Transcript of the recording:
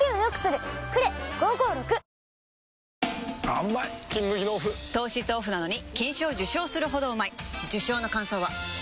あーうまい「金麦」のオフ糖質オフなのに金賞受賞するほどうまい受賞の感想は？